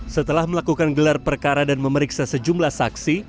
setelah melakukan gelar perkara dan memeriksa sejumlah saksi